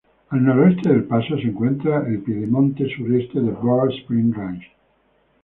Al noroeste del paso se encuentra el piedemonte sureste de Bird Spring Range.